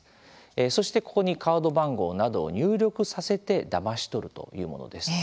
そして、ここにカード番号などを入力させてだまし取るというものです。